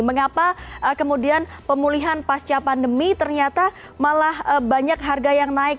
mengapa kemudian pemulihan pasca pandemi ternyata malah banyak harga yang naik